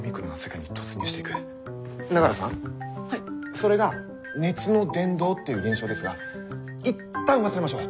それが熱の伝導っていう現象ですが一旦忘れましょう。